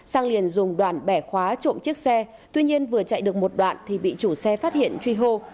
sang liền dùng đoàn bẻ khóa trộm chiếc xe tuy nhiên vừa chạy được một đoạn thì bị chủ xe phát hiện truy hô